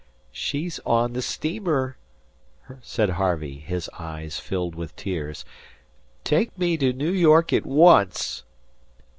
"She's on the steamer," said Harvey, his eyes filling with tears. "Take me to New York at once."